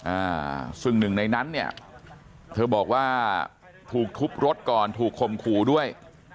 อ่าซึ่งหนึ่งในนั้นเนี่ยเธอบอกว่าถูกทุบรถก่อนถูกคมขู่ด้วย